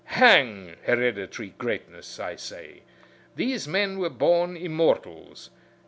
Hang hereditary greatness, I say. These men were born immortals.